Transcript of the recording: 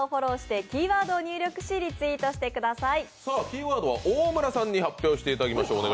キーワードは大村さんに発表していただきます。